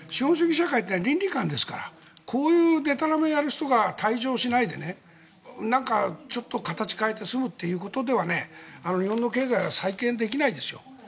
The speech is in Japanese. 社会は倫理観ですからこういうでたらめをやる人が退場しないでなんかちょっと形変えて済むということでは日本の経済は再建できないですよ。